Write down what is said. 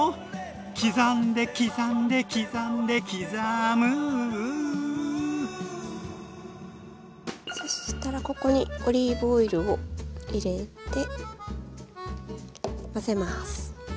「刻んで刻んで刻んで刻む」そしたらここにオリーブオイルを入れて混ぜます。